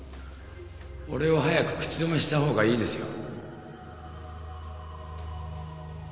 俺を早く口止めしたほうがいいですよ